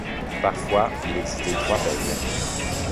Parfois, il existait trois bayles.